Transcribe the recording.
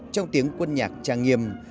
trong tiếng quân nhạc trang nghiêm